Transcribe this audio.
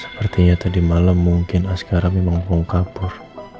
sepertinya tadi malem mungkin askara memang buang kapur